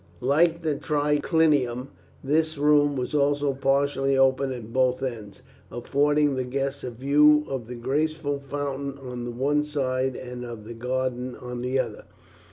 Like the triclinium, this room was also partially open at both ends, affording the guests a view of the graceful fountain on the one side and of the garden on the other.